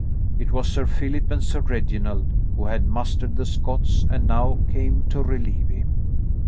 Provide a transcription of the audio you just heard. It was Sir Philip and Sir Reginald, who had mustered the Scots and now came to relieve him.